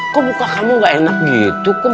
kok buka kamu gak enak gitu kum